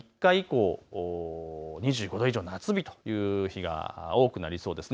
３日以降、２５度以上の夏日という日が多くなりそうです。